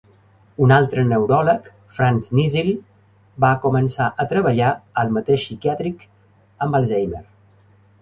Un altre neuròleg, Franz Nissl, va començar a treballar al mateix psiquiàtric amb Alzheimer.